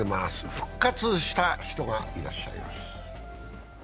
復活した人がいらっしゃいます。